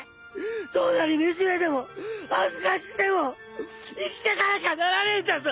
どんなに惨めでも恥ずかしくても生きてかなきゃならねえんだぞ！！